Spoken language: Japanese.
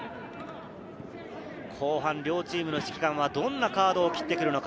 後半、両チームの指揮官はどんなカードを切ってくるのか？